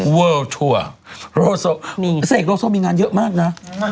เวิร์ลทัวร์โรโซมีเสกโลโซมีงานเยอะมากนะ